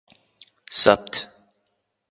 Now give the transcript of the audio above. Supt.